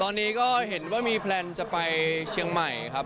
ตอนนี้ก็เห็นว่ามีแพลนจะไปเชียงใหม่ครับ